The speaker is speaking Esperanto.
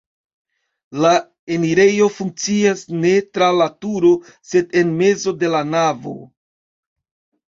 La enirejo funkcias ne tra la turo, sed en mezo de la navo.